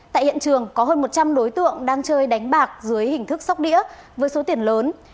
tại hiện trường có hơn một trăm linh đối tượng đang chơi đánh bạc dưới hình thức sóc đĩa với số tiền lớn